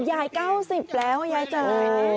ยาย๙๐แล้วยายเจ๋ย